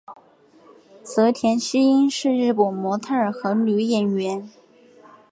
泽田汐音是日本模特儿和女演员。